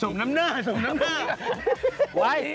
ส่งน้ำเนื้อ